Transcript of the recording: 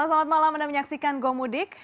selamat malam anda menyaksikan gomudik